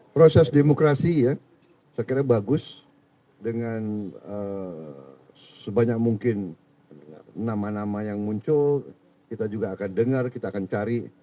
proses demokrasi ya saya kira bagus dengan sebanyak mungkin nama nama yang muncul kita juga akan dengar kita akan cari